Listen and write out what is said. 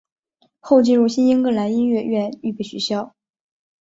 后进入新英格兰音乐院预备学校。